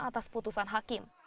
atas putusan hakim